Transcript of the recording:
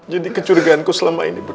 jadi kecurigaanku selama ini benar